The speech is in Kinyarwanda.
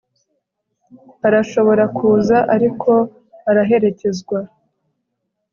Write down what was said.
arashobora kuza ariko araherekezwa